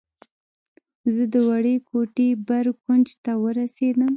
زه د وړې کوټې بر کونج ته ورسېدم.